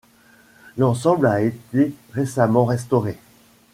L'ensemble a été récemment restauré.